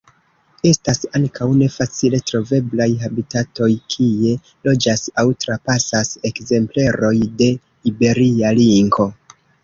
Estas ankaŭ ne facile troveblaj habitatoj kie loĝas aŭ trapasas ekzempleroj de Iberia linko.